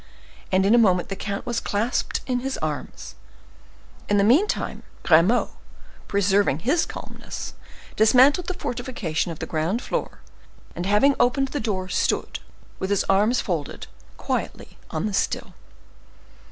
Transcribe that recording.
And in a moment the count was clasped in his arms. In the meantime, Grimaud, preserving his calmness, dismantled the fortification of the ground floor, and after having opened the door, stood, with his arms folded, quietly on the sill.